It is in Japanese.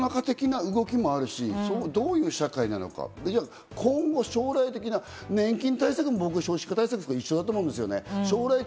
世の中的な動きもあるし、どういう社会なのか、今後将来的な年金対策も少子化対策と一緒だと思うんです。